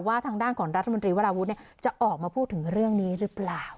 ทางด้านของรัฐมนตรีวราวุฒิจะออกมาพูดถึงเรื่องนี้หรือเปล่า